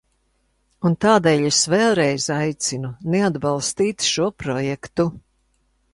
Un tādēļ es vēlreiz aicinu neatbalstīt šo projektu.